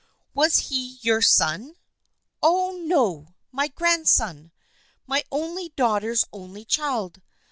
Was he your son ?"" Oh, no, my grandson. My only daughter's only child.